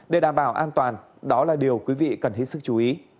để đảm bảo an toàn đó là điều quý vị cần hết sức chú ý